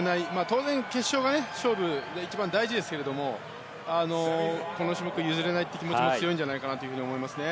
当然、決勝が一番大事ですけどもこの種目譲れないという気持ちも強いんじゃないかと思います。